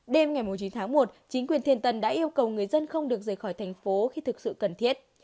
đêm ngày chín tháng một chính quyền thiên tân đã yêu cầu người dân không được rời khỏi thành phố khi thực sự cần thiết